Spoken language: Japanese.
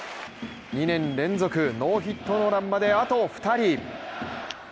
２年連続ノーヒットノーランまであと２人。